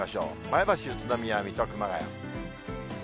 前橋、宇都宮、水戸、熊谷。